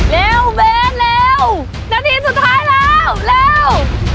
เร็วเบสเร็วนาทีสุดท้ายแล้วเร็ว